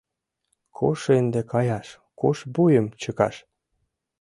Куш ынде каяш, куш вуйым чыкаш?